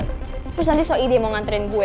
terus nanti soeide mau nganterin gue